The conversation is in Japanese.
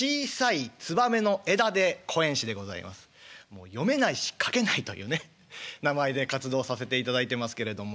もう読めないし書けないというね名前で活動させていただいてますけれども。